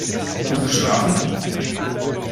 Gut geschlafen?